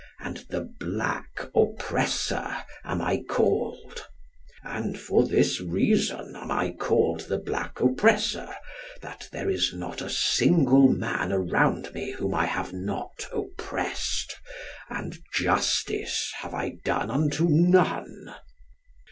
And the Black Oppressor am I called. And for this reason I am called the Black Oppressor, that there is not a single man around me whom I have not oppressed, and justice have I done unto none."